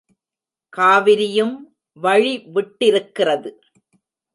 காவிரியும் வழி விட்டிருக்கிறது.